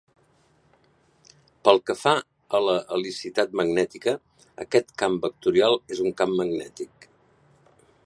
Pel que fa a la helicitat magnètica, aquest "camp vectorial" és un camp magnètic.